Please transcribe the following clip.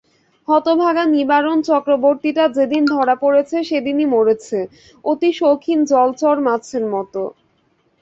হতভাগা নিবারণ চক্রবর্তীটা যেদিন ধরা পড়েছে সেইদিন মরেছে–অতি শৌখিন জলচর মাছের মতো।